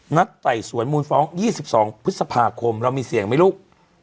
ไต่สวนมูลฟ้อง๒๒พฤษภาคมเรามีเสียงไหมลูก